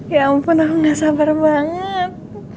ya ampun aku gak sabar banget